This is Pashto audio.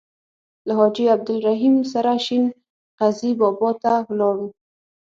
له حاجي عبدالرحیم سره شین غزي بابا ته ولاړو.